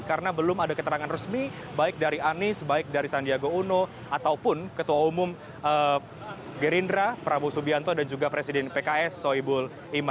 karena belum ada keterangan resmi baik dari anis baik dari sandiago uno ataupun ketua umum gerindra prabowo subianto dan juga presiden pks soebul